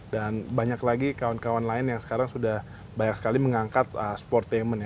dan banyak lagi kawan kawan lain yang sekarang sudah banyak sekali mengangkat sportainment